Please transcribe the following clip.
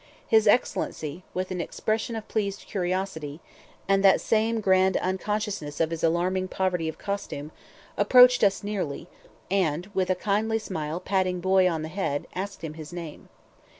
His Excellency, with an expression of pleased curiosity, and that same grand unconsciousness of his alarming poverty of costume, approached us nearly, and, with a kindly smile patting Boy on the head, asked him his name.